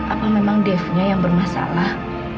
apa memang deftnya yang bermasalah